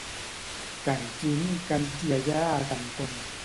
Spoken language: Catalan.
Que en Quim canti allà a can Ton.